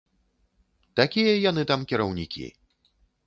Такія яны там кіраўнікі!